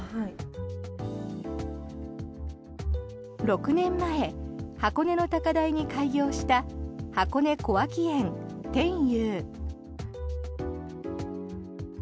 ６年前、箱根の高台に開業した箱根小涌園天悠。